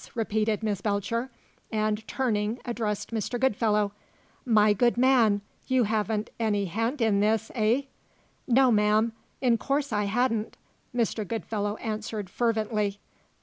repeated Miss Belcher; and, turning, addressed Mr. Goodfellow. "My good man, you hadn't any hand in this eh?" "No, ma'am; in course I hadn't," Mr. Goodfellow answered fervently.